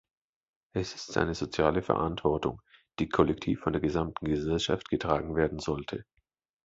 Es ist eine soziale Verantwortung, die kollektiv von der gesamten Gesellschaft getragen werden sollte.